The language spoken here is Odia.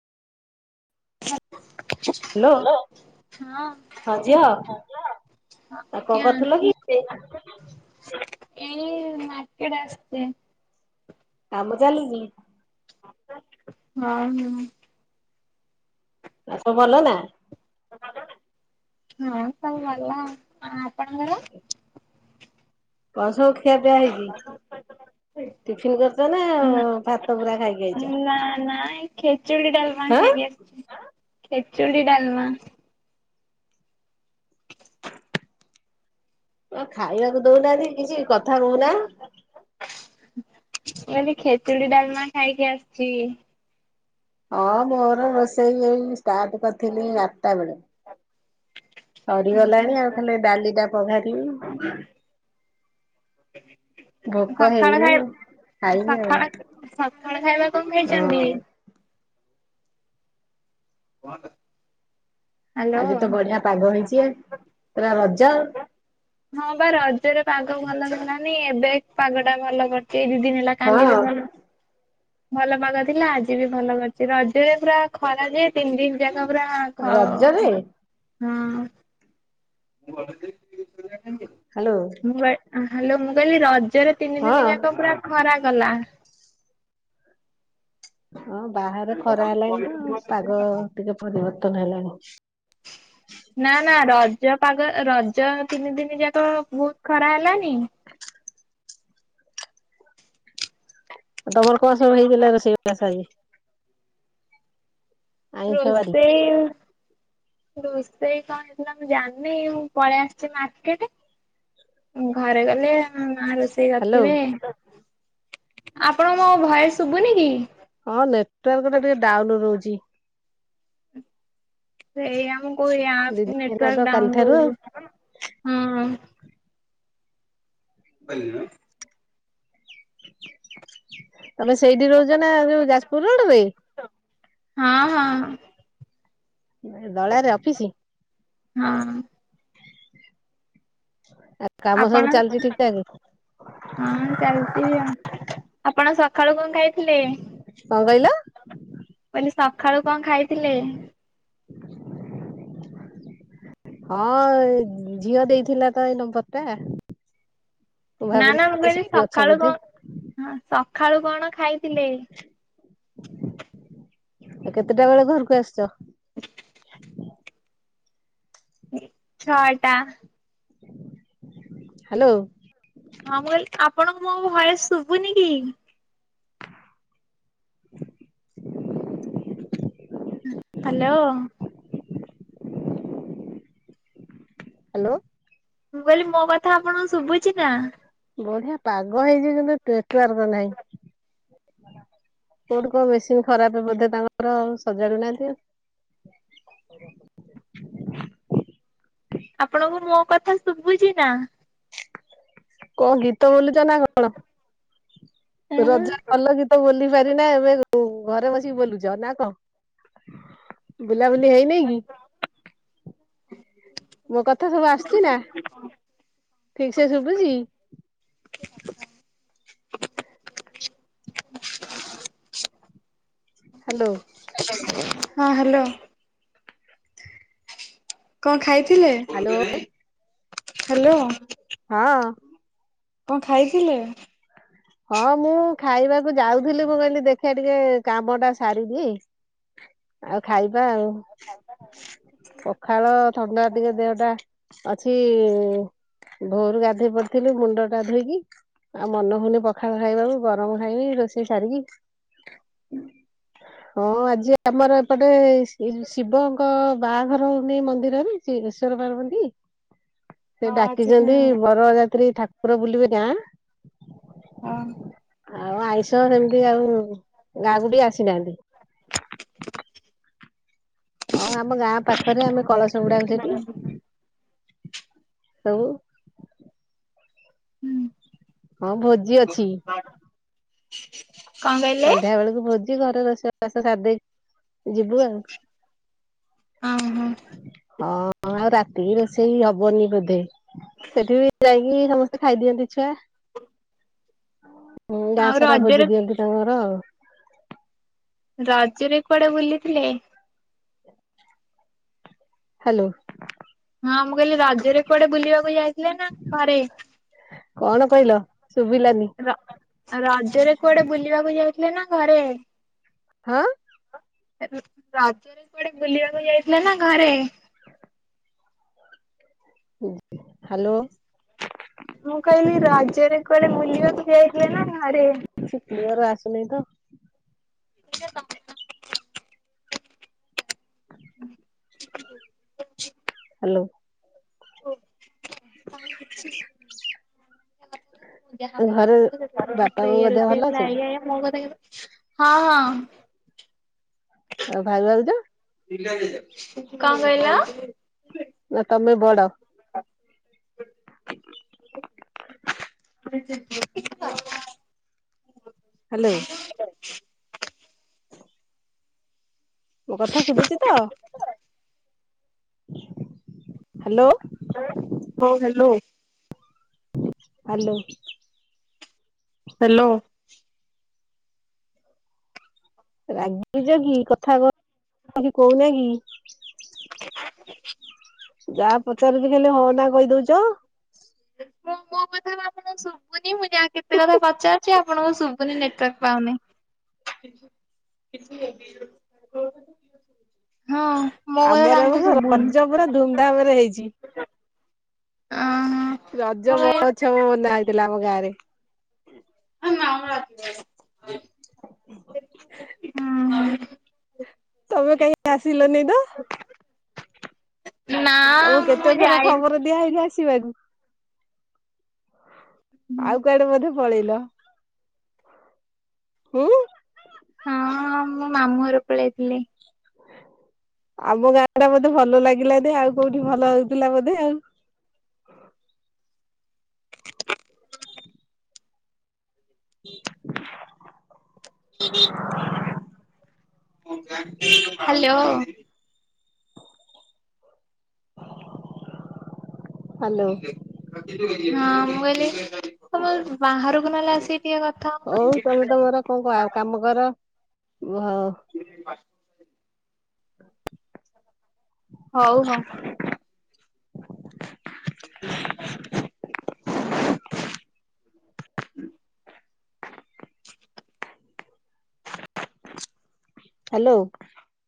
[unintelligible] [unintelligible] ହ୍ୟାଲୋ ହଁ ଝିଅ ଆଉ କଣ କରୁଥିଲ କି? ଏଇ ମାର୍କେଟ ଆସଚି। କାମ ଚାଲିଚି। [unintelligible] ଆଉ ସବୁ ଭଲ ନା? ହଁ ସବୁ ଭଲ। ଆଉ ଆପଣଙ୍କର? [unintelligible] ଖିଆ ପିଆ ହେଇଚି ଟିଫିନ କରିଛ ନା ଭାତ ପୁରା ଖାଇକି ଆଇଚ? ନା ନା ଏ ଖେଚେଡି ଡାଲମା ଖାଇକି ଆସିଚି ନା ଖେଚୁଡ଼ି ଡାଲମା। ଆ ଖାଇବାକୁ ଦଉନାହାନ୍ତି କିଛି କଥା କହୁନ। ମୁଁ କହିଲି ଖେଚୁଡି ଡାଲମା ଖାଇକି ଆସିଚି। ହଁ ମୋର ରୋଷେଇ ଏ ଷ୍ଟାର୍ଟ କରିଥିଲି ଆଟା ବେଳେ। ସରିଗଲାଣି ଆଉ ଖାଲି ଡାଲି ଟା ପଘାରିବି। ଭୋକ ସକାଳ ହେଇନି ଖାଇ ଖାଇବି ଆଉ ସକାଳ ହଁ। ସକାଳ ଖାଇବା କଣ ଖାଇଛନ୍ତି? [unintelligible] ହ୍ୟାଲୋ ଆଜି ତ ବଢିଆ ପାଗ ହେଇଛି ଆଉ ପୁରା ରଜ। ହଁ ବା ରଜରେ ପାଗ ଭଲ ହେଲାନି ଏବେ ପାଗଟା ଭଲ କରିୁଛି ଏଇ ଦି ଦିନ ହେଲା। କାଲି ବି ହଁ ଭଲ ଭଲ ପାଗ ଥିଲା ଆଜି ବି ଭଲ କରିଛି ରଜରେ ପୁରା ଖରା ଯେ ତିନି ଦିନ ଯାକ ପୁରା ଖ ରଜରେ ହଁ। ହ୍ୟାଲୋ ମୁଁ ହାଲୋ ମୁଁ କହିଲି ରଜ ରଜ ରେ ତିନି ଦିନ ହଁ ଯାକ ପୁରା ଖରା କଲା। ହଁ ବାହାରେ ଖରା ହେଲାଣି ତ ପାଗ ଟିକେ ପରିବର୍ତନ ହେଲାଣି। ନା ନା ରଜ ପାଗ ରଜ ତିନି ଦିନି ଯାକ ବହୁତ ଖରା ହେଲାନି। ତମର କଣ ସବୁ ହେଇଥିଲା ରୋଷେଇ ବାଷ ଆଜି? ଆଇଁଷ ବାରି ରୋଷେଇ ରୋଷେଇ କଣ ହେଇଥିଲା ମୁଁ ଜାଣିନି ମୁଁ ପଳେଇ ଆସିଛି ମାର୍କେଟ ଘରେ ଗଲେ ମା ରୋ ସେ ହାଲୋ କରିଥିବେ। ଆପଣଙ୍କୁ ମୋ ଭଏସ ଶୁଭୁନି କି? ହଁ ନେଟୱାର୍କ ଟା ଟିକେ ଡାଉନ ରହୁଛି। ସେ ଏଇା ମୁଁ କହୁ ଦି ଆପ ଦିନ ହେଲା ତ ନେଟୱର୍କ କାଲିଠାରୁ ଡାଉନ ଆଉ ରହୁଚି ହଁ। [unintelligible] ତମେ ସେଇଠି ରହୁଛ ନା ଯୋଉ ଯାଜପୁର ରୋଡରେ? ହଁ- ହଁ। ନାଇଁ ଦଳାରେ ଅଫିସ୍ ହଁ। ଆଉ କାମ ଆପଣ ସବୁ ଚାଲିଚି ଠିକ୍ ଠାକ୍? ହଁ ଚାଲିଛି ଆଉ, ଆପଣ ସକାଳୁ କଣ ଖାଇ ଥିଲେ, କଣ କହିଲ? ସକାଳୁ କଣ ଖାଇଥିଲେ? ହଁ ଝିଅ ଦେଇଥିଲା ତ ଏଇ ନମ୍ବରଟା। ନାଁ - ନାଁ ମୁଁ କିହିଲି ଅଛ ସକାଳୁ ବୋଧେ। କଣ ସଖାଳୁ କଣ ଖାଇଥିଲେ? ଆଉ କେତେଟା ବେଳେ ଘରକୁ ଆସୁଛ? ଛଅ ଟା। ହ୍ୟାଲୋ। ହଁ- ମୁଁ କହିଲି ଆପଣଙ୍କୁ ମୋ ଭଏସ ଶୁଭୁନି କି? ହ୍ୟାଲୋ। ହ୍ୟାଲୋ। ମୁଁ କହିଲି ମୋ କଥା ଆପଣଙ୍କୁ ଶୁଭୁଛି ନା? ବଢିଆ ପାଗ ହେଇଛି, କିନ୍ତୁ ନେଟୱାର୍କ ନାହିଁ। କୋଉଠି କଣ ମେସିନ ଖରାପ ବୋଧେ ତାଙ୍କର? ସଜାଡୁ ନାହାନ୍ତି ଆଉ। ଆପଣଙ୍କୁ ମୋ କଥା ଶୁଭୁଛି ନା? କଣ ଗୀତ ବୋଲୁଚ ନା କଣ? ହଁ ରୋଜା ଭଲ ଗୀତ ବୋଲି ପାରେନା, ଏବେ [unintelligible] ଘରେ ବସିକି ବୁଲୁଚ ନା କଣ, ବୁଲାବୁଲି ହେଇନାଇ କି? ମୋ କଥା ସବୁ ଆସଛି ନା, ଠିକ୍ ସେ ଶୁଭୁଛି? ହ୍ୟାଲୋ। ହଁ ହ୍ୟାଲୋ। କଣ ଖାଇଥିଲେ? Hello hello. ହଁ। କଣ ଖାଇଥିଲେ? ହଁ- ମୁଁ ଖାଇବାକୁ ଯାଉଥିଲି, ମୁଁ କହିଲି ଦେଖିବା ଟିକେ କାମଟା ସାରିଦିଏ। ଆଉ ଖାଇବା ଆଉ। ପଖାଳ, ଥଣ୍ଡା ଟିକେ ଦେହଟା ଅଛି ଭୋରୁ ଗାଧୋଇ ପଡିଥିଲୁ ମୁଣ୍ଡଟା ଧୋଇକି, ଆଉ ମନ ହଉନି ପ ପଖାଳ ଖାଇବାକୁ, ଗରମ ଖାଇବି ରୋଷେଇ ସାରିକି। ହଁ ଆଜି ଆମର ଏପଟେ ଶିବ ଙ୍କ ବାହାଘର ହଉନି ମନ୍ଦିରରେ ସେ ଈଶ୍ଵର ପାର୍ବତୀ ସେ ଡାକିଛନ୍ତି ବରଯାତ୍ରୀ ଠାକୁର ବୁଲିବେ ଗାଁ। ହଁ। ଆଉ ଆଇଁଷ ସେମିତି ଆଉ ଗାଁକୁ ଟିକେ ଆସିନାହାନ୍ତି। ହଁ ଆମ ଗାଁ ପାଖରେ ଆମେ କଳସ ବୁଡାଉ ସେଠି ସବୁ। ହଁ ଭୋଜି ଅଛି। ହ ସନ୍ଧ୍ୟାବେଳକୁ ଭୋଜି ଘରେ ରୋଷେଇବାସ ସାରିଦେଇ ଯିବୁ ଆଉ ଓହୋ ହଁ। ହଁ ରାତି ରୋଷେଇ ହବନି ବୋଧେ। ସେଠି ବି ଯାଇକି ସମସ୍ତେ ଖାଇଦିଅନ୍ତି ଛୁଆ। [unintelligible] ହଁ ଗାଁ ଆଉ ସାରା ରଜରେ ଭୋଜି ଦିଅନ୍ତି ତାଙ୍କ ଘର ଆଉ। ରଜରେ କୁଆଡେ ବୁଲିଥିଲେ? [inaudible] ହ୍ୟାଲୋ। ହଁ ମୁଁ କହିଲି ରଜରେ କୁଆଡେ ବୁଲିବାକୁ ଯାଇଥିଲା ନା ଘରେ ଏଇନା? କଣ କହିଲ ଶୁଭିଲାନି? ର ରଜରେ କୁଆଡେ ବୁଲିବାକୁ ଯାଇଥିଲେ ନା ଘରେ। ହଁ। ରଜରେ କୁଆଡେ ବୁଲିବାକୁ ଯାଇଥିଲା ନା ଘରେ? ହ୍ୟାଲୋ। ମୁଁ କହିଲି ରଜରେ କୁଆଡେ ବୁଲିବାକୁ ଯାଇଥିଲେ ନା ଘରେ? କିଛି କ୍ଲିୟର ଆସୁନେଇତ। [unintelligible] [unintelligible] ହ୍ୟାଲୋ। [unintelligible] ଏଇଆ ରୋଷେଇ ହେଇଥିଲା। ଏଇଆ, ଏଇଆ ଘରେ ମୋ ବାପା ମାଙ୍କ ଦେହ କଥା ଭଲ ଅଛି ନା କିଛି ବୁଛୁ ହଁ ହଁ। ଆଉ ଭାଗଲ ତୁ। କ କହିଲ? ନା ତମେ ବଡ? [unintelligible] ହ୍ୟାଲୋ। ମୋ କଥା ଶୁଭୁଛି ତ? ହ୍ୟାଲୋ? ହଉ ହ୍ୟାଲୋ। ହ୍ୟାଲୋ? ହ୍ୟାଲୋ? ରାଗିଚ କି କଥା କହୁନା କି? [unintelligible] ଯାହା ପଚାରୁଚି ଖାଲି ହଁ ନା କହିଦଉଛ! [inaudible] କୋଉ କଥା ଭାବୁଚନ୍ତି ଶୁଭୁନି ମୁଁ ଯାଇ କେତେକଥା ପଚାରୁଚି ଆପଣଙ୍କୁ ଶୁଭୁନି ନେଟୱାର୍କ ପାଉନି। [inaudible] ହଁ। ମୁଁ କୟା ଆମର ତାଙ୍କୁ ଏ ଶୁବୁନି। ରଜ ପୁରା ଧୁମୁଧାମ୍ ରେ ହେଇଚି। ଅଁ ରଜ ମୁଁ ମହୋତ୍ସବ କହିଲି ବନ୍ଧାହେଇଥିଲା ଆମ ଗାଁରେ। [inaudible] [inaudible] ହୁଁ ତମେ କାହିଁ ଆସିଲନିତ? ନା ତମକୁ ମୁଁ କେତେଥର ଯାଇନି ଖବରଦିଆ ହେଇଚି ଆସିବାକୁ। ଆଉ କୁଆଡେବୋଧେ ପଳେଇଲ। ହୁଁ। ହଁ ମୁଁ ମାମୁଁଘରକୁ ପଳେଇଥିଲି। ଆମ ଗାଁଆଟା ବୋଧେ ଭଲ ଲାଗିଲାନି ଆଉକୋଉଠି ଭଲ ହଉଥିଲା ବୋଧେ ଆଉ। [inaudible] ହ୍ୟାଲୋ। ହାଲୋ। ହଁ ମୁଁ କହିଲି ତମ ବାହାରକୁ ନହେଲେ ଆସିି ଇଏ କଥା। ହଉ ହଉନ। ତମେତମର କ କାମକର ଭ। [unintelligible] [unintelligible] ହଉ ହ। [inaudible] ହୁଁ। ହାଲୋ।